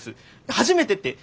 「初めて」って。